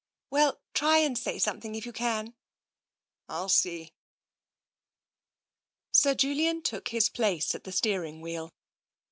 " Well, try and say something, if you can." " ril see." Sir Julian took his place at the steering wheel.